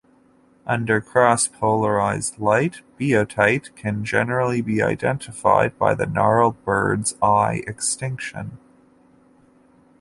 Under cross-polarized light biotite can generally be identified by the gnarled bird's eye extinction.